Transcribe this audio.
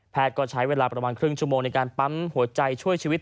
ก็ใช้เวลาประมาณครึ่งชั่วโมงในการปั๊มหัวใจช่วยชีวิต